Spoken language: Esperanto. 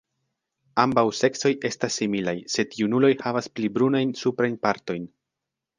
Ambaŭ seksoj estas similaj, sed junuloj havas pli brunajn suprajn partojn.